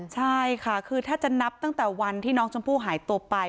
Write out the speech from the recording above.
ใช่ค่ะคือถ้าจะนับตั้งแต่วันที่น้องชมพู่หายตัวไป